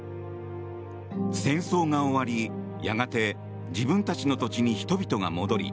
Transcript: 戦争が終わり、やがて自分たちの土地に人々が戻り